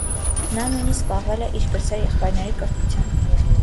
Նա նույնիսկ զբաղվել է իր կրտսեր եղբայրների կրթությամբ։